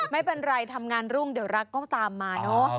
ไม่เป็นไรทำงานรุ่งเดี๋ยวรักก็ตามมาเนอะ